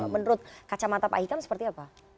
menurut kacamata pak hikam seperti apa